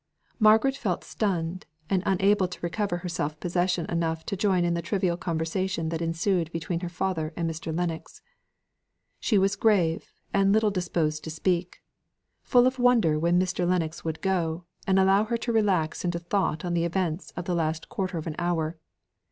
Margaret felt stunned, and unable to recover her self possession enough to join in the trivial conversation that ensued between her father and Mr. Lennox. She was grave, and little disposed to speak; full of wonder when Mr. Lennox would go, and allow her to relax into thought on the events of the last quarter of an hour.